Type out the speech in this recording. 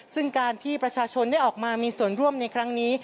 ซึ่งการที่ประชาชนได้ออกมามีส่วนร่วมในครั้งนี้